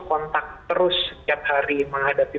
kontak terus setiap hari menghadapi